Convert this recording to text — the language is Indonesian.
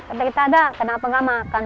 kata kita ada kenapa gak makan